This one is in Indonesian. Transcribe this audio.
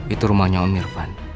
itu rumahnya om irfan